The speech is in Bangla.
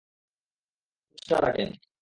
মুভির পোস্টার আকেন।